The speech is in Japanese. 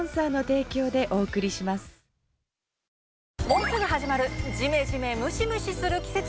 もうすぐ始まるジメジメムシムシする季節。